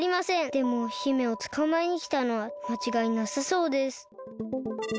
でも姫をつかまえにきたのはまちがいなさそうです。